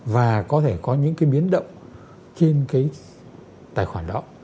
và có thể có những cái biến động trên cái tài khoản đó